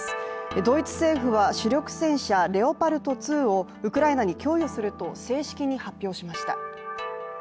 ドイツ政府は主力戦車レオパルト２をウクライナに供与すると正式に発表しました。